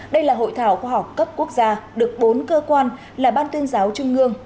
đây là hội thảo khoa học cấp quốc gia được bốn cơ quan là ban tuyên giáo trung ương